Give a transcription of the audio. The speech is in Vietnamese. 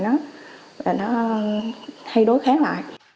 dẫn đến một số